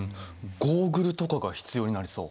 ゴーグルとかが必要になりそう。